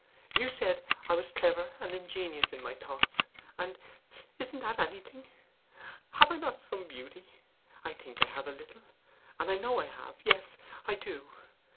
You said I was clever and ingenious in my thoughts, and isn't that anything? Have I not some beauty? I think I have a little and I know I have yes, I do!